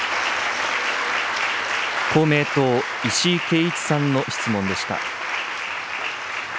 公明党、石井啓一さんの質問でした。